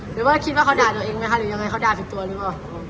หรือว่าคิดว่าเขาด่าตัวเองไหมคะหรือยังไงเขาด่าถึงตัวหรือเปล่า